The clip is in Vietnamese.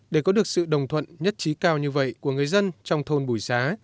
để có được sự đồng thuận nhất trí cao như vậy của người dân trong thôn bùi xá